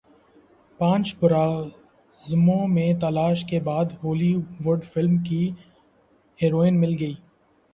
پانچ براعظموں میں تلاش کے بعد ہولی وڈ فلم کی ہیروئن مل گئی